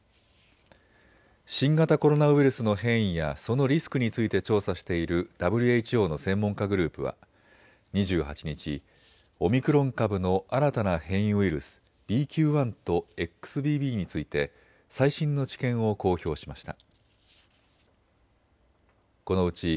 新型コロナウイルスの変異やそのリスクについて調査しているＷＨＯの専門家グループは２８日、オミクロン株の新たな変異ウイルス、ＢＱ．１とＸＢＢについて最新の知見を公表しました。